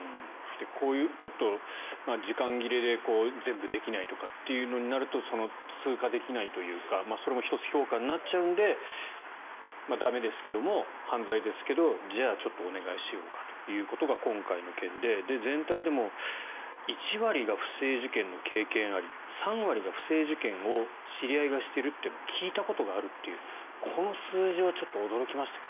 こういうので時間切れで全部できないとかってなると通過できないというかそれも１つ評価になっちゃうので駄目ですけど、犯罪ですけどじゃあ、ちょっとお願いしようかというのが今回の件で、全体でも１割が不正受検の経験あり３割が不正受検を知り合いがしているのを聞いたことがあるというこの数字はちょっと驚きましたね。